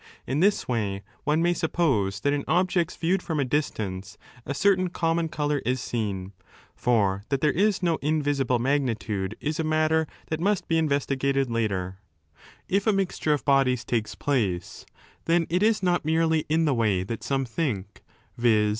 In this way one may suppose that in objects viewed from a distance a certain common colour is seen. For that there 18 is no invisible magnitude is a matter that must be is 1 44oi vestigated later. If a mixture' of bodies takes place, then it is not merely in the way that some think, viz.